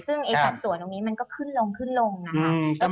ซึ่งความสวยตรงนี้มันก็ขึ้นลงขึ้นลงนะคะ